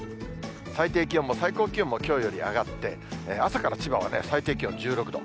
最低気温も最高気温もきょうより上がって、朝から千葉は最低気温１６度。